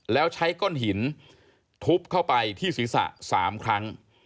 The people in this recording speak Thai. แล้วใช้ก้อนหินทุบเข้าไปที่ศีรษะ๓ครั้ง